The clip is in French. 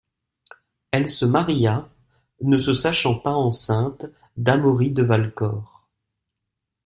Elle se maria, ne se sachant pas enceinte d’Amaury de Valcor.